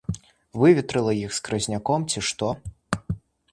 Выветрыла іх скразняком, ці што?!